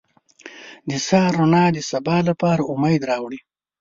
• د سهار رڼا د سبا لپاره امید راوړي.